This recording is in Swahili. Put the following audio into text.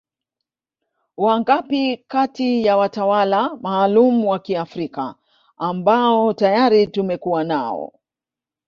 Wangapi kati ya watawala maalum wa Kiafrika ambao tayari tumekuwa nao